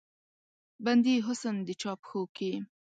بندي حسن د چا پښو کې